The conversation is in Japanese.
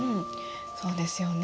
そうですよね。